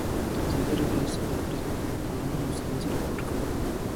ازادي راډیو د سوداګریز تړونونه ستونزې راپور کړي.